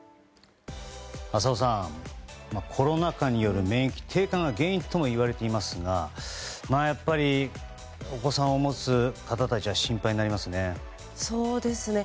浅尾さん、コロナ禍による免疫低下が原因ともいわれていますがお子さんを持つ方たちは心配になりますね。